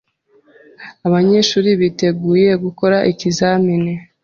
Abanyeshuri biteguye gukora ikizamini.